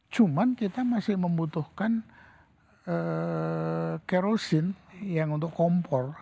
cuman kita masih membutuhkan kerosin yang untuk kompor